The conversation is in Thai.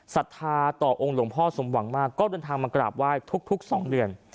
ศรัทธาต่อองค์หลวงพ่อสมหวังมากก็เดินทางมากราบไหว้ทุก๒เดือน